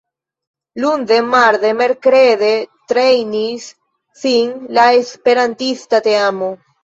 Lunde, marde, merkrede trejnis sin la esperantista teamo.